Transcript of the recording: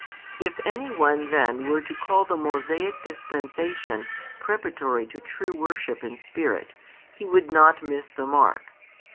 If any one then were to call the Mosaic dispensation preparatory to true worship in Spirit, he would not miss the mark.